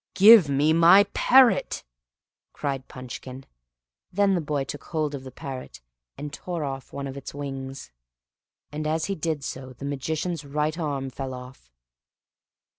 "Give me my parrot!" cried Punchkin. Then the boy took hold of the parrot, and tore off one of its wings; and as he did so the Magician's right arm fell off.